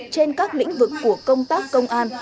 trên các lĩnh vực của công tác công an